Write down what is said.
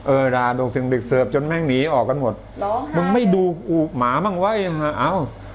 เออด่าโดงสิ่งเด็กเสิร์ฟจนแม่งหนีออกกันหมดหรอค่ะมันไม่ดูอู้หมาบ้างไว้อ้าว